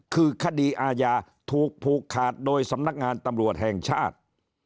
คือคดีอาญาถูกผูกขาดโดยสำนักงานตำรวจแห่งชาติ